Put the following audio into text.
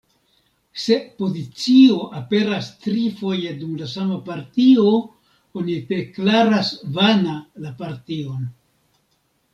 Se pozicio aperas trifoje dum la sama partio, oni deklaras vana la partion.